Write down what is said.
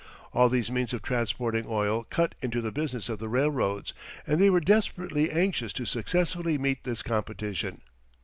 All these means of transporting oil cut into the business of the railroads, and they were desperately anxious to successfully meet this competition.